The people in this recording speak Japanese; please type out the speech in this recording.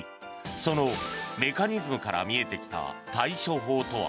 そのメカニズムから見えてきた対処法とは。